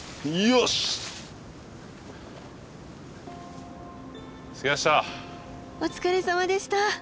お疲れさまでした。